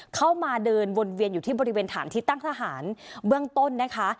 เข้ามาเดินวนเวียนอยู่ที่บริเวณฐานที่ตั้งทหารเบื้องต้นนะคะ